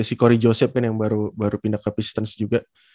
si corey joseph kan yang baru pindah ke pistons juga